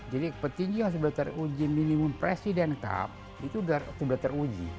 jadi petinju yang sudah teruji minimum presiden kap itu sudah teruji